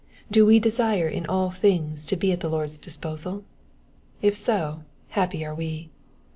Do wo desire in all things to be at the Lord's disposal? If so, happy are we.